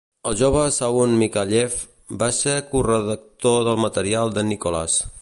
El jove Shaun Micallef va ser corredactor del material de Nicholas.